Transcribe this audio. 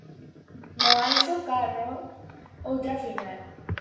No Anxo Carro outra final.